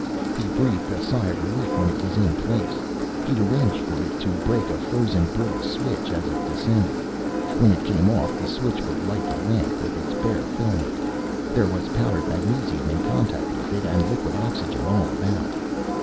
He breathed a sigh of relief when it was in place. He'd arranged for it to break a frozen brittle switch as it descended. When it came off, the switch would light the lamp with its bare filament. There was powdered magnesium in contact with it and liquid oxygen all about.